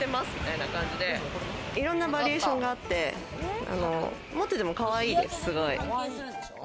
いろんなバリエーションがあって、持っててもかわいいです。